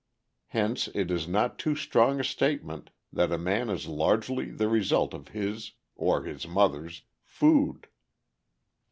Hence it is not too strong a statement that a man is largely the result of his (or his mother's) food.